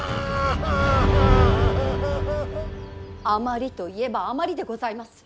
あまりといえばあまりでございます。